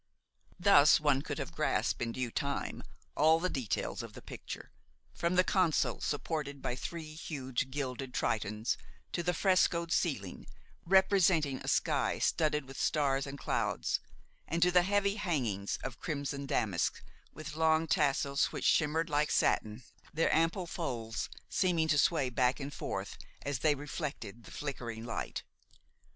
Thus one could have grasped in due time all the details of the picture, from the console supported by three huge gilded tritons, to the frescoed ceiling, representing a sky studded with stars and clouds, and to the heavy hangings of crimson damask, with long tassels, which shimmered like satin, their ample folds seeming to sway back and forth as they reflected the flickering light.